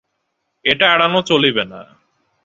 এটা এড়ানো চলিবে না।